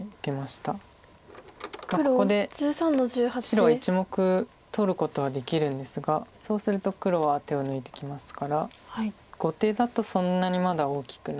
白は１目取ることはできるんですがそうすると黒はアテを抜いてきますから後手だとそんなにまだ大きくなさそうです。